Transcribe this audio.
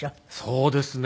そうですね。